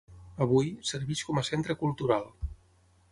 Avui, serveix com a centre cultural.